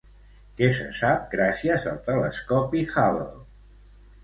Què se sap gràcies al telescopi Hubble?